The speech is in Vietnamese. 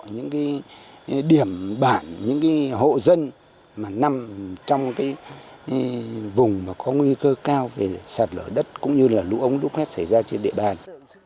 những điểm bản những hộ dân nằm trong vùng có nguy cơ cao về sạt lở đất cũng như lũ ống lúc hết xảy ra trên địa bàn